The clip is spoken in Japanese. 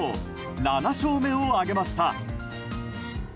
７勝目を挙げました。